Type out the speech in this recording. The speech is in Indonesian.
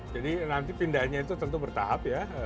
jadi nanti pindahnya itu tentu bertahap ya